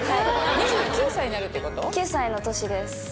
２９歳の年です。